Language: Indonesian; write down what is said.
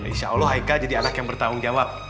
insya allah aika jadi anak yang bertanggung jawab